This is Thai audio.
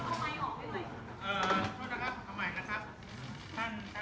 ขอขอบคุณหน่อยนะคะ